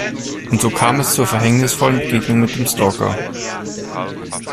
Und so kam es zur verhängnisvollen Begegnung mit dem Stalker.